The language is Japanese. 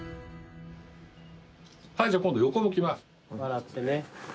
じゃあ今度横向きます。